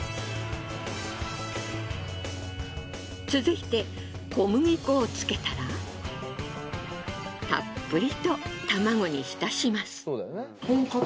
続いて小麦粉をつけたらたっぷりと卵に浸します。